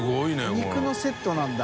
肉のセットなんだ。